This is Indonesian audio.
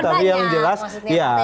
tapi yang jelas ya